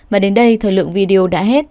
và đến đây thời lượng video đã hết